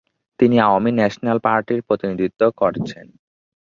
তিনি আওয়ামী ন্যাশনাল পার্টির প্রতিনিধিত্ব করছেন।